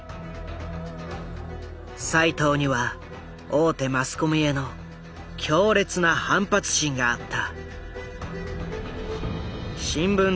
齋藤には大手マスコミへの強烈な反発心があった。